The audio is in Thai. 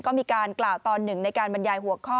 ก็มีการกล่าวตอนหนึ่งในการบรรยายหัวข้อ